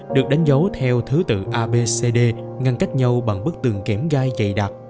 được đánh dấu theo thứ tự abcd ngăn cách nhau bằng bức tường kẻm gai dày đặc